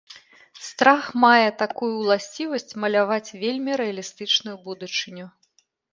Страх мае такую ўласцівасць маляваць вельмі рэалістычную будучыню.